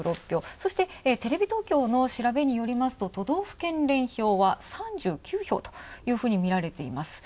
そして、テレビ東京の調べによりますと都道府県連票は３９票というふうにみられています。